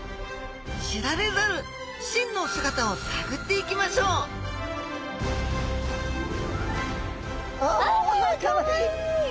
知られざる真の姿をさぐっていきましょうあかわいい！